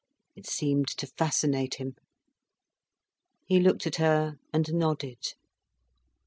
It seemed to fascinate him. He looked at her and nodded.